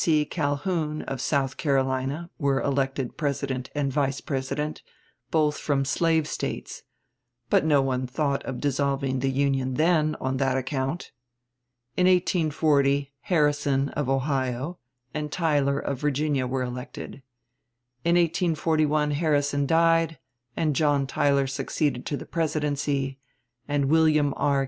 Calhoun, of South Carolina, were elected President and Vice President, both from slave States; but no one thought of dissolving the Union then on that account. In 1840 Harrison, of Ohio, and Tyler, of Virginia, were elected. In 1841 Harrison died and John Tyler succeeded to the presidency, and William R.